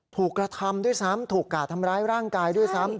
ถูกกระทำด้วยซ้ำถูกกาดทำร้ายร่างกายด้วยซ้ำ